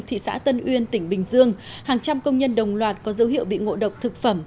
thị xã tân uyên tỉnh bình dương hàng trăm công nhân đồng loạt có dấu hiệu bị ngộ độc thực phẩm